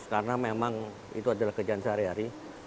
karena memang itu adalah kerjaan sehari hari